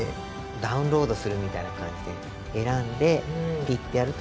ダウンロードするみたいな感じで選んでピッてやるとそれが出てくる。